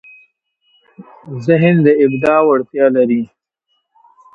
ذهن د ابداع وړتیا لري.